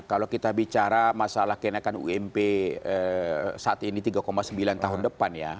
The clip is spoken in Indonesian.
kalau kita bicara masalah kenaikan ump saat ini tiga sembilan tahun depan ya